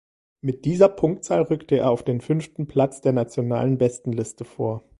Mit dieser Punktzahl rückte er auf den fünften Platz der Nationalen Bestenliste vor.